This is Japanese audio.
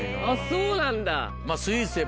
あっそうなんだ。